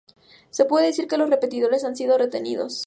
Se puede decir que los repetidores han sido "retenidos".